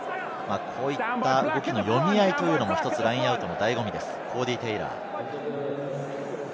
こういった動きの読み合いも、ラインアウトの醍醐味です。